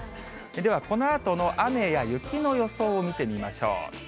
では、このあとの雨や雪の予想を見てみましょう。